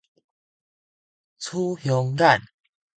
雌雄眼